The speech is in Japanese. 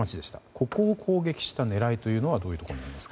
ここを攻撃した狙いというのはどういうところにありますか？